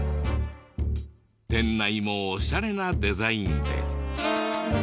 店内もオシャレなデザインで。